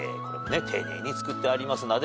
これも丁寧に作ってあります。